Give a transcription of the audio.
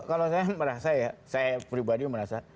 kalau saya merasa ya saya pribadi merasa